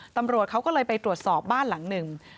ตำรวจเขาก็เลยไปตรวจสอบบ้านหลังหนึ่ง